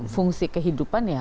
fungsi kehidupan ya